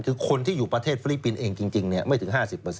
คือคนที่อยู่ประเทศฟิลิปปินส์เองจริงไม่ถึง๕๐